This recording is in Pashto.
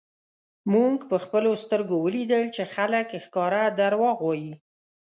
مونږ په خپلو سترږو ولیدل چی خلک ښکاره درواغ وایی